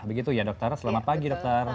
begitu ya dokter selamat pagi dokter